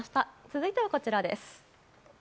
続いてはこちらです。